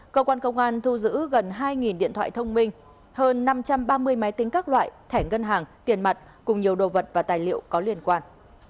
cơ quan công an thu giữ gần hai điện thoại thông minh hơn năm trăm ba mươi máy tính các loại thẻ ngân hàng tiền mặt cùng nhiều đồ vật và tài liệu có liên quan